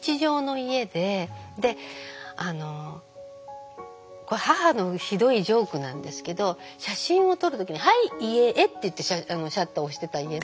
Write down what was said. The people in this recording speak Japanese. であのこれ母のひどいジョークなんですけど写真を撮る時に「はい遺影！」って言ってシャッターを押してた家だったんです。